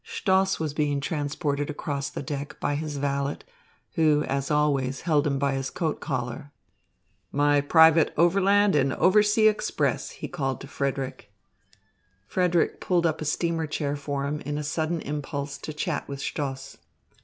Stoss was being transported across the deck by his valet, who, as always, held him by his coat collar. "My private overland and oversea express," he called to Frederick. Frederick pulled up a steamer chair for him in a sudden impulse to chat with Stoss.